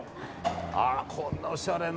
あら、こんなおしゃれな。